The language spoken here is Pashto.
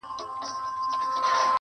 فقط علم او هنر دی چي همېش به جاویدان وي,